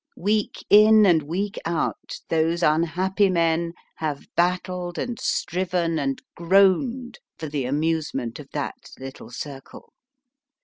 Week in and week out those unhappy men have battled and striven and groaned for the amusement of that little circle.